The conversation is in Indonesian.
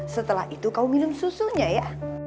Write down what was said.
setelah itu kau minum susunya ya